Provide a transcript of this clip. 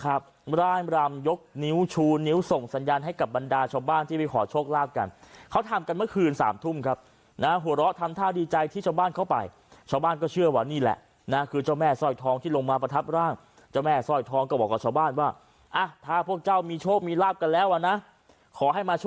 อย่างงี้ก็แล้วแต่คนจะมองนะครับร่างรามยกนิ้วชูนิ้วส่งสัญญาณให้กับบรรดาชาวบ้านที่ไปขอโชคลาบกันเขาทำกันเมื่อคืนสามทุ่มครับหัวเราะทำท่าดีใจที่ชาวบ้านเข้าไปชาวบ้านก็เชื่อว่านี่แหละคือเจ้าแม่สร้อยทองที่ลงมาประทับร่างเจ้าแม่สร้อยทองก็บอกกับชาวบ้านว่าถ้าพวกเจ้ามีโชคมีลาบกั